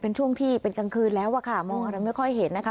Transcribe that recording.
เป็นช่วงที่เป็นกลางคืนแล้วอะค่ะมองอะไรไม่ค่อยเห็นนะคะ